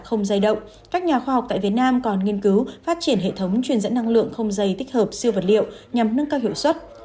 khoa học tại việt nam còn nghiên cứu phát triển hệ thống truyền dẫn năng lượng không dây tích hợp siêu vật liệu nhằm nâng cao hiệu suất